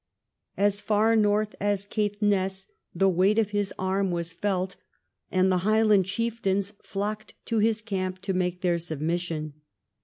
As far north as Caithness the weight of his arm was felt, and the Highland chieftains flocked to his camp to make their submission.